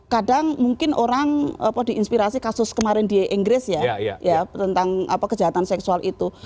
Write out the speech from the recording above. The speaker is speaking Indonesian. kadang mungkin orang diinspirasi kasus kemarin di inggris ya tentang kejahatan seksual itu